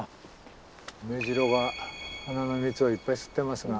メジロが花の蜜をいっぱい吸ってますが。